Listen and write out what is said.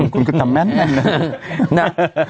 คุณก็ทำแม่นแหละ